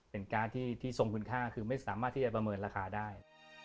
การ์ดที่ทรงคุณค่าคือไม่สามารถที่จะประเมินราคาได้